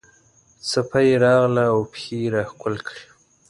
څپه یې راغله او پښې یې راښکل کړې.